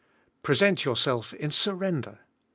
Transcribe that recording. Present yourself in surrender.